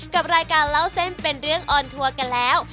กับรายการเล่าเส้นเป็นเรื่องออนทัวร์กันแล้ว